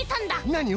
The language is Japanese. なにを？